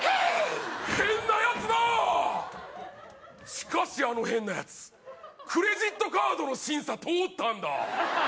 しかしあの変なやつクレジットカードの審査通ったんだ